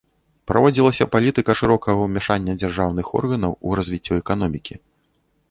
Праводзілася палітыка шырокага ўмяшання дзяржаўных органаў у развіццё эканомікі.